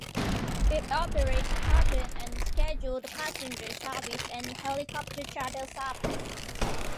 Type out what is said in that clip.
It operates charter and scheduled passenger services and helicopter charter services.